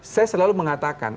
saya selalu mengatakan